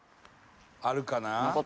あるかな？」